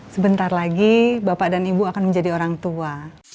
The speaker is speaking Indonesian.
sebentar lagi bapak dan ibu akan menjadi orang tua